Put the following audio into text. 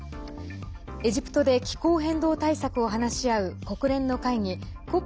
エジプトで気候変動対策を話し合う国連の会議